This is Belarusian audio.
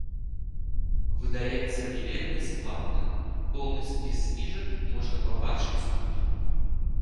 Выдаецца білет бясплатна, поўны спіс зніжак можна пабачыць тут.